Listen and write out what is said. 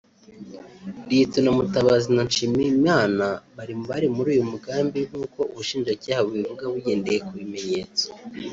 Lt Mutabazi na Nshimiyimana bari mu bari muri uyu mugambi nk’uko Ubushinjacyaha bubivuga bugendeye ku bimenyetso